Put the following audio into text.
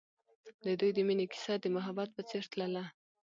د دوی د مینې کیسه د محبت په څېر تلله.